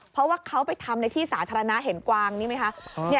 เพราะว่าเขาไปทำในที่สาธารณะเห็นกวางนี่ไหมคะ